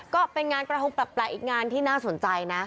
ก็เป็นงานกระทงแปลกอีกงานที่น่าสนใจนะ